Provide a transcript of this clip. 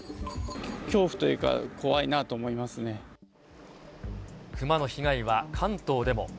恐怖というか、怖いなと思いクマの被害は関東でも。